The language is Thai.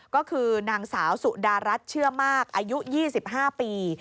ก็คือนางสาวสุดารัฐเชื่อมากอายุ๒๕ปี